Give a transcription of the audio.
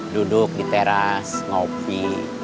duduk di teras ngopi